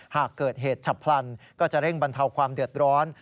หากเกิดเหตุฉับพลันก็จะเร่งบรรเทาความเดือดร้อน